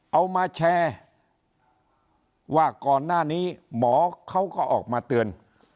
เอามาแชร์ว่าก่อนหน้านี้หมอเขาก็ออกมาเตือน